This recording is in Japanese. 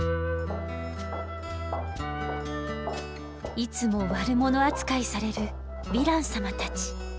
いつも悪者扱いされるヴィラン様たち。